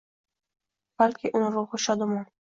balki uning ruhi – shodumon.